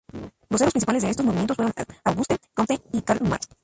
Voceros principales de estos movimientos fueron Auguste Comte y Karl Marx.